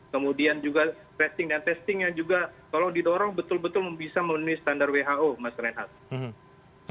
kemudian juga testing dan testingnya juga kalau didorong betul betul bisa menunis standar who mas renhad